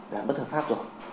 là bất hợp pháp